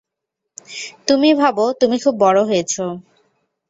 তুমি ভাবো তুমি খুব বড় হয়েছ।